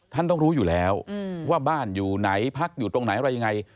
ท่านต้องรู้อยู่แล้วว่าบ้านอยู่ไหนพักอยู่ตรงไหนอะไรยังไง